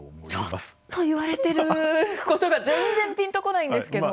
ちょっと言われてることが全然ピンとこないんですけど。